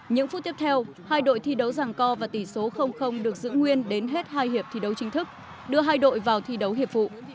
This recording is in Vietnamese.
những phút tiếp theo hai đội thi đấu ràng co và tỷ số được giữ nguyên đến hết hai hiệp thi đấu chính thức đưa hai đội vào thi đấu hiệp vụ